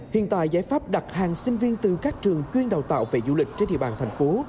hiện tại giải pháp đặt hàng sinh viên từ các trường chuyên đào tạo về du lịch trên địa bàn thành phố